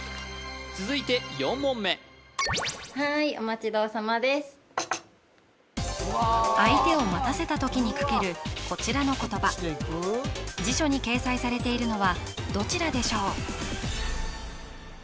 続いて４問目はーい相手を待たせた時にかけるこちらの言葉辞書に掲載されているのはどちらでしょう？